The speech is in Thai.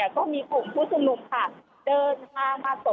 ก็มีกลุ่มพฤษุนุมค่ะเดินมามาสมมุติ